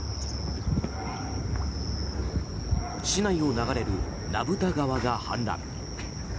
市内を流れる名蓋川が氾濫。